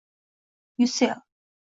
Ucell